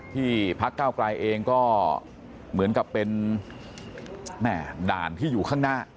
พักเก้าไกลเองก็เหมือนกับเป็นด่านที่อยู่ข้างหน้า